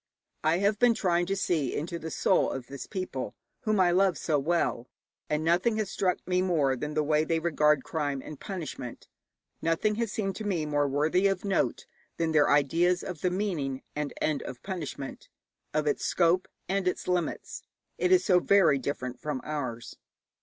I have been trying to see into the soul of this people whom I love so well, and nothing has struck me more than the way they regard crime and punishment; nothing has seemed to me more worthy of note than their ideas of the meaning and end of punishment, of its scope and its limits. It is so very different from ours.